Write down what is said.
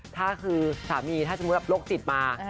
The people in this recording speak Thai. ถ้าคือสามีถ้าเฉพาะโรคจิตมา